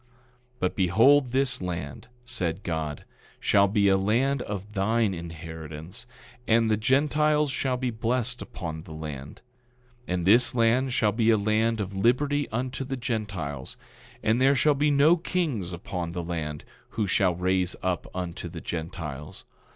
10:10 But behold, this land, said God, shall be a land of thine inheritance, and the Gentiles shall be blessed upon the land. 10:11 And this land shall be a land of liberty unto the Gentiles, and there shall be no kings upon the land, who shall raise up unto the Gentiles.